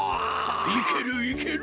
いけるいける！